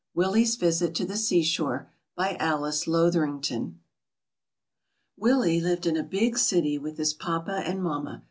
WILLIE^S VISIT TO THE SEASHORE. BY ALICE LOTHERINGTON. Willie lived in a big city with his papa and mamma.